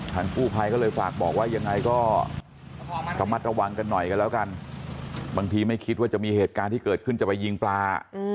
ต้องระวังกันหน่อยกันแล้วกันบางทีไม่คิดว่าจะมีเหตุการณ์ที่เกิดขึ้นจะไปยิงปลา